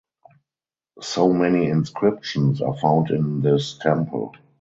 So many inscriptions are found in this temple.